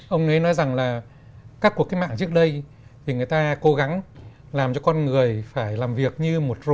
ông ấy nói rằng là các cuộc cái mạng trước đây thì người ta cố gắng làm cho con người phải làm việc như một robot